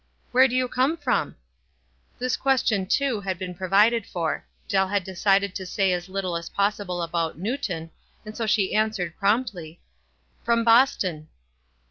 " Where do you come from ?" This question, too, had been provided for. Dell had decided to say as little as possible about Newton, and so answered, promptly, — "From Boston."